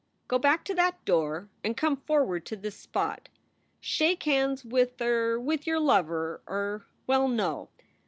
"Go back to that door and come forward to this spot. Shake hands with er with your lover er Well no.